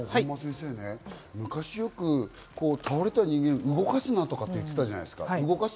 昔よく、倒れた人間を動かすなとか言ってたじゃないですか。